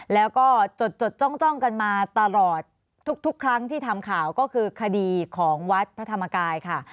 แล้วก็จดจ้องกันมาตลอดทุกครั้งที่ทำข่าวก็คือคดีของวัดพระธรรมกายค่ะ